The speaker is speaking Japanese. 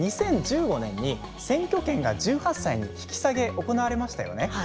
２０１５年に選挙権が１８歳に引き下げ行われましたよね。